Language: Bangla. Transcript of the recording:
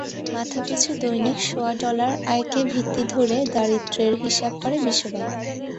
মাথাপিছু দৈনিক সোয়া ডলার আয়কে ভিত্তি ধরে দারিদ্র্যের হিসাব করে বিশ্বব্যাংক।